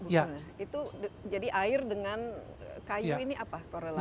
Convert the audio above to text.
jadi air dengan kayu ini apa korelasinya